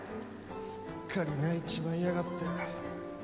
すっかり萎えちまいやがって。